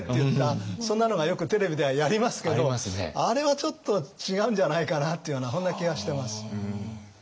そんなのがよくテレビではやりますけどあれはちょっと違うんじゃないかなっていうようなそんな気がしてます。